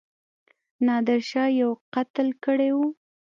نادرشاه یو قتل کړی وو.